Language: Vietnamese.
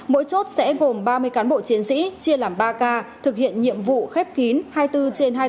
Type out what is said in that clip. mỗi chốt sẽ gồm ba mươi cán bộ chiến sĩ chia làm ba k thực hiện nhiệm vụ khép kín hai mươi bốn trên hai mươi bốn